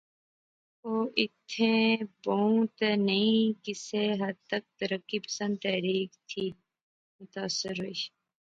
او ایتھیں بہوں تہ نئیں کسے حد تک ترقی پسند تحریک تھی متاثر ہوئی